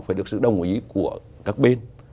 phải được sự đồng ý của các bên